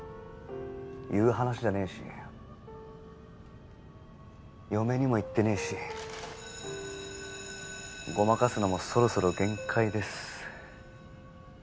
言う話じゃねえし嫁にも言ってねえしごまかすのもそろそろ限界です